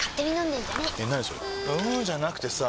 んーじゃなくてさぁ